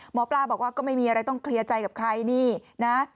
หมอปลาบอกว่าก็ไม่มีอะไรต้องเคลียร์ใจกับใครนี่นะ